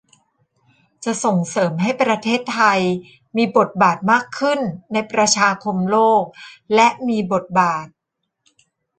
จะส่งเสริมให้ประเทศไทยมีบทบาทมากขึ้นในประชาคมโลกและมีบทบาท